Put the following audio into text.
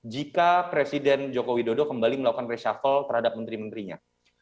jika presiden joko widodo kembali melakukan reshuffle terhadap menteri menterinya